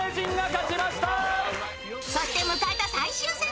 そして迎えた最終戦。